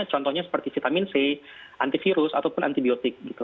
contohnya seperti vitamin c antivirus ataupun antibiotik gitu